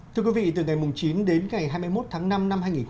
thưa quý vị từ ngày chín đến ngày hai mươi một tháng năm năm hai nghìn một mươi bảy